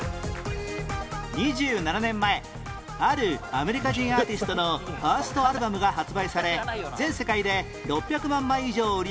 ２７年前あるアメリカ人アーティストのファーストアルバムが発売され全世界で６００万枚以上を売り上げる大ヒット